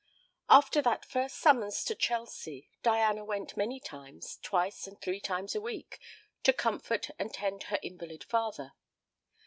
After that first summons to Chelsea, Diana went many times twice and three times a week to comfort and tend her invalid father.